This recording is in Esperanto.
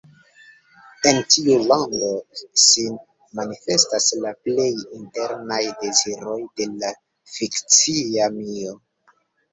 En tiu lando sin manifestas la plej internaj deziroj de la fikcia mio.